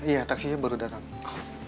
iya taksi baru datang